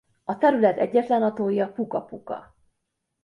A terület egyetlen atollja Puka-Puka.